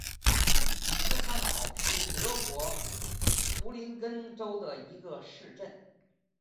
施塔瑙是德国图林根州的一个市镇。